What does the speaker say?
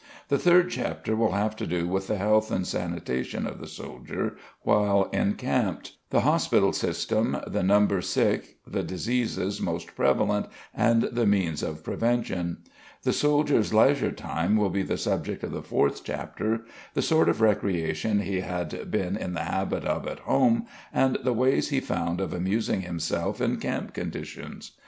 The third chapter will have to do with the health and sanitation of the soldier while encamped, the hospital system, the number sick, the diseases most prevalent and the means of prevention. The soldier's leisure time will be the subject of the fourth chapter, the sort of recreation he had been in the habit of at home and the ways he found of amusing himself in camp conditions.